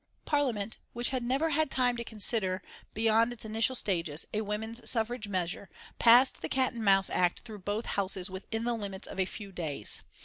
Parliament, which had never had time to consider, beyond its initial stages, a women's suffrage measure, passed the Cat and Mouse Act through both houses within the limits of a few days.